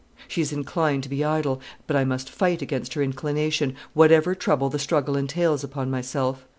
"She is inclined to be idle; but I must fight against her inclination, whatever trouble the struggle entails upon myself.